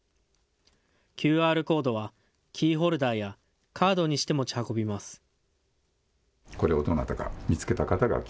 ＱＲコードはキーホルダーやカードにして持ち運びます。